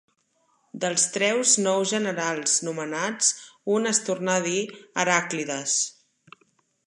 Dels treus nous generals nomenats un es tornà a dir Heràclides.